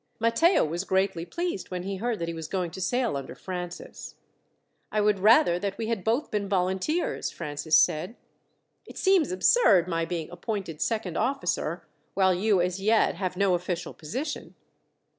Matteo was greatly pleased when he heard that he was going to sail under Francis. "I would rather that we had both been volunteers," Francis said. "It seems absurd my being appointed second officer, while you as yet have no official position."